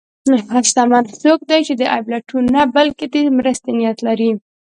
شتمن څوک دی چې د عیب لټون نه، بلکې د مرستې نیت لري.